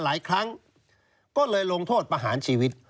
หลายครั้งก็เลยลงโทษประหารชีวิต